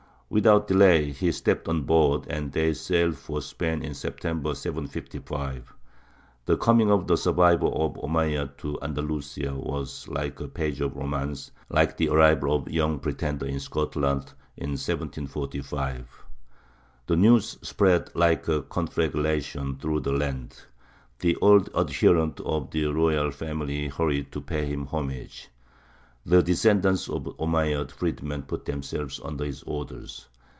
Without delay he stepped on board, and they sailed for Spain in September, 755. The coming of the survivor of the Omeyyads to Andalusia was like a page of romance, like the arrival of the Young Pretender in Scotland in 1745. The news spread like a conflagration through the land; the old adherents of the royal family hurried to pay him homage; the descendants of the Omeyyad freedmen put themselves under his orders.